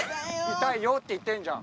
「痛いよ」って言ってるじゃん。